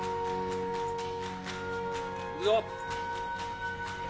行くぞ。